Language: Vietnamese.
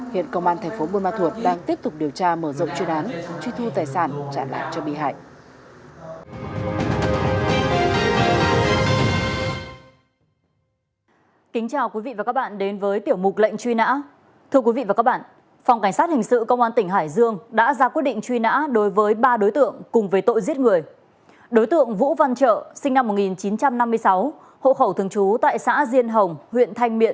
hiện công an thành phố bùa ma thuột đang tiếp tục điều tra mở rộng chuyên án